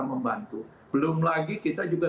membantu belum lagi kita juga